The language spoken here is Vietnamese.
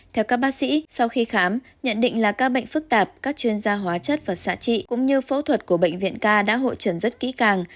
theo các bác sĩ sau khi khám nhận định là ca bệnh phức tạp các chuyên gia hóa chất và xạ trị cũng như phẫu thuật của bệnh viện k đã hội trần rất kỹ càng